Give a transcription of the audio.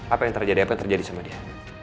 apa yang terjadi apa yang terjadi sama dia